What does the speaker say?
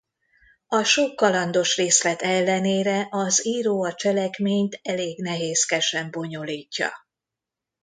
A sok kalandos részlet ellenére az író a cselekményt elég nehézkesen bonyolítja.